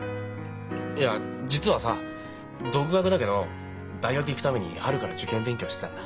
いや実はさ独学だけど大学行くために春から受験勉強してたんだ。